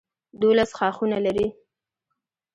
دولس ښاخونه لري.